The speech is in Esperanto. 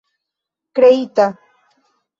kreita